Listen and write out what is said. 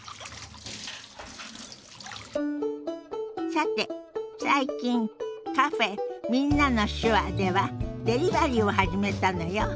さて最近カフェ「みんなの手話」ではデリバリーを始めたのよ。